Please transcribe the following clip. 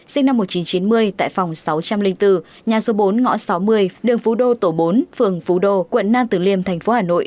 sinh năm một nghìn chín trăm chín mươi tại phòng sáu trăm linh bốn nhà số bốn ngõ sáu mươi đường phú đô tổ bốn phường phú đô quận nam tử liêm thành phố hà nội